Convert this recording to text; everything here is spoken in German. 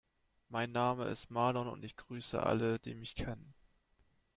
Mein Name ist Marlon und ich grüße alle, die mich kennen.